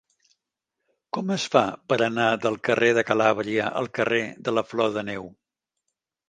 Com es fa per anar del carrer de Calàbria al carrer de la Flor de Neu?